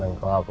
dan salah satu